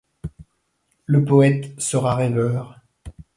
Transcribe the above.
Le poète sera rêveur ;